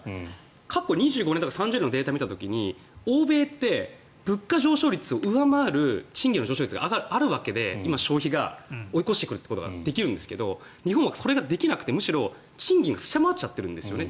過去２０年とか３０年のデータを見た時に欧米って物価上昇率を上回る賃金の上昇率があるわけで今、消費が追い越してくることができるんですが日本はそれができなくてむしろ賃金が下回っちゃってるんですよね